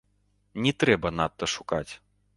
Не трэба надта шукаць.